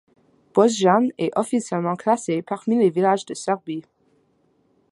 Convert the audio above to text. Bošnjane est officiellement classé parmi les villages de Serbie.